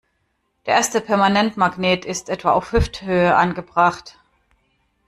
Der erste Permanentmagnet ist etwa auf Hüfthöhe angebracht.